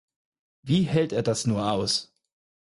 Wie hält er das nur aus?